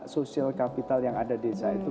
social capital yang ada di desa itu